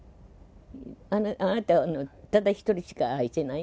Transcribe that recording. あなたはただ一人しか愛せない？